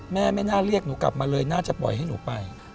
แม่ไม่น่าเรียกหนูกลับมาเลยน่าจะปล่อยให้หนูไป